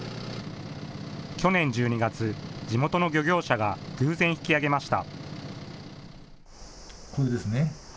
去年１２月、地元の漁業者が偶然、引き上げました。